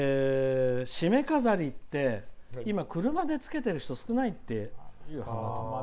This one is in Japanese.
しめ飾りって、今車でつけてる人少ないって。